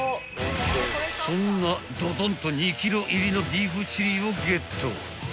［そんなどどんと２ｋｇ入りのビーフチリをゲット］